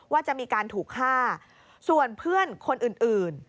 ว่าจะมีการถูกฆ่าส่วนเพื่อนคนอื่น